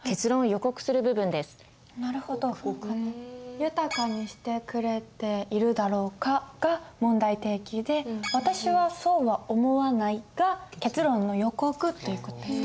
「豊かにしてくれているだろうか」が問題提起で「私はそうは思わない」が結論の予告という事ですか。